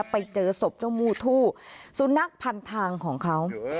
ไปเจอศพเจ้ามูทู่สุนัขพันทางของเขา